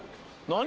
何？